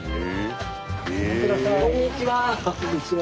こんにちは。